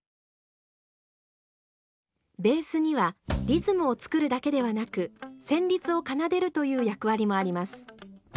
ベースにはリズムを作るだけではなく旋律を奏でるという役割もあります。